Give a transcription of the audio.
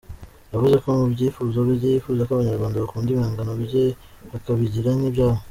Yavuze ko mu byifuzo bye, yifuza ko abanyarwanda bakunda ibihangano bye bakabigira nk’ibyabo.